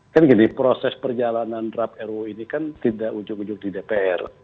kan gini proses perjalanan ruu ini kan tidak ujug ujug di dpr